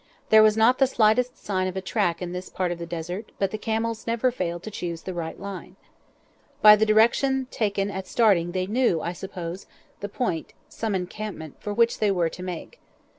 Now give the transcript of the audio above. There was not the slightest sign of a track in this part of the Desert, but the camels never failed to choose the right line. By the direction taken at starting they knew, I suppose, the point (some encampment) for which they were to make.